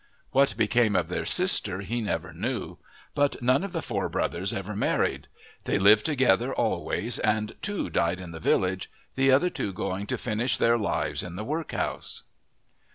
What became of their sister he never knew: but none of the four brothers ever married; they lived together always, and two died in the village, the other two going to finish their lives in the workhouse.